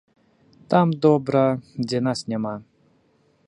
Там добра, дзе нас няма.